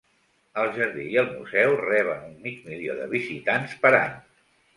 El jardí i el museu reben un mig milió de visitants per any.